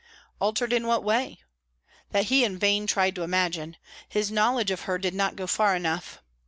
Altered in what way? That he in vain tried to imagine; his knowledge of her did not go far enough.